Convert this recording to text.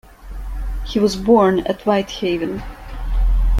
He was born at Whitehaven.